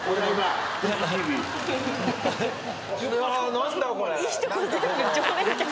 何だこれ？